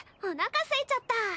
おなかすいちゃった。